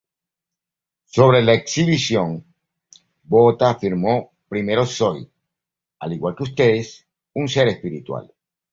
Sobre la exhibición, Botha afirmó "Primero soy, al igual que ustedes, un ser espiritual.